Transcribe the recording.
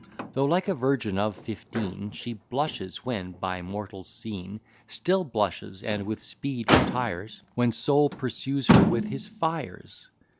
Though, like a virgin of fifteen, She blushes when by mortals seen; Still blushes, and with speed retires, When Sol pursues her with his fires.